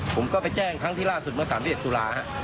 ผมก็ไปแจ้งครั้งที่ล่าสุดเมื่อ๓๑ตุลาฮะ